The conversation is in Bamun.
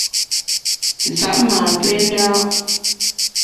Nsab ma pè nda’.